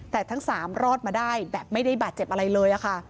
แต่ทั้ง๓รอดมาได้แบบไม่ได้บาดเจ็บอะไรเลยค่ะ